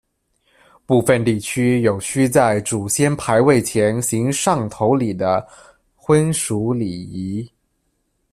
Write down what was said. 部分地区有须在祖先牌位前行上头礼的婚俗礼仪。